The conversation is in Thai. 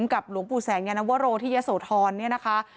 กับหลวงปู่แสงยานวโรที่ยะโสธรเนี่ยนะคะ